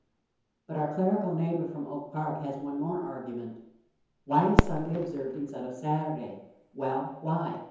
But our clerical neighbor from Oak Park has one more argument: "Why is Sunday observed instead of Saturday?" Well, why?